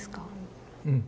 うん。